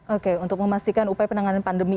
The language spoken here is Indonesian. oke untuk memastikan upaya penanganan pandemi